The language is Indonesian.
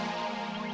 lu dari gara gara